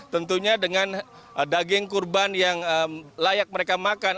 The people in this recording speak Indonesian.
tentunya dengan daging kurban yang layak mereka makan